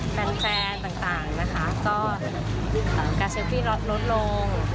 แฟนต่างก็การเซลฟี่ลดลดลง